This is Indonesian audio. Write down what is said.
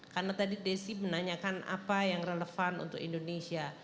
karena tadi desi menanyakan apa yang relevan untuk indonesia